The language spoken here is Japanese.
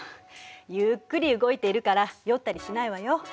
ゆっくり動いているから酔ったりしないわよ。